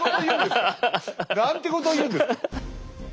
何てこと言うんですか！